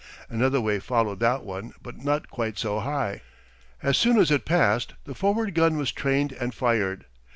Another wave followed that one, but not quite so high. As soon as it passed the forward gun was trained and fired.